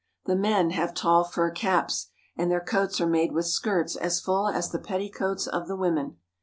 The men have tall fur caps, and their coats are made with skirts as full as the petticoats of the women.